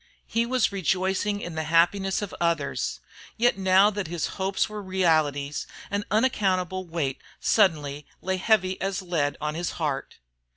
He was rejoicing in the happiness of others. Yet now that his hopes were realities an unaccountable weight suddenly lay heavy as lead on his heart.